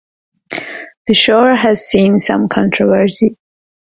The "shore" has seen some controversy.